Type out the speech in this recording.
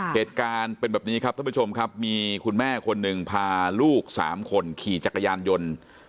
เหตุการณ์เป็นแบบนี้ครับท่านผู้ชมครับมีคุณแม่คนหนึ่งพาลูกสามคนขี่จักรยานยนต์